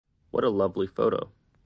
What a lovely photo.